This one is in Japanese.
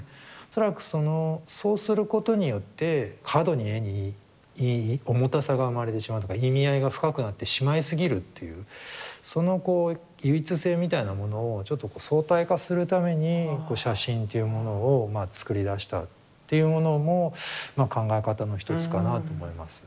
恐らくそうすることによって過度に絵に重たさが生まれてしまうというか意味合いが深くなってしまいすぎるっていうそのこう唯一性みたいなものをちょっとこう相対化するために写真っていうものをまあ作り出したっていうものもまあ考え方の一つかなと思います。